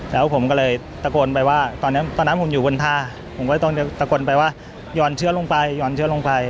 แล้วผมก็เลยตะโกนไปว่าตอนนั้นผมอยู่บนท่าผมก็ตะโกนไปว่ายอดเชือกลงไป